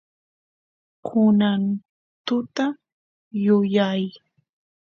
kunan tuta yuyay